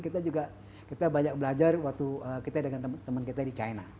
kita juga kita banyak belajar waktu kita dengan teman teman kita di china